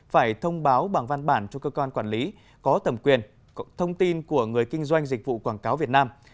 phải thông báo bằng văn bản cho cơ quan quản lý có tầm quyền thông tin của người kinh doanh dịch vụ quảng cáo việt nam